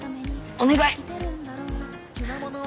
お願い！